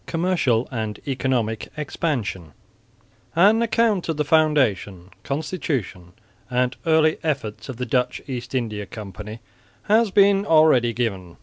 COMMERCIAL AND ECONOMIC EXPANSION An account of the foundation, constitution and early efforts of the Dutch East India Company has been already given.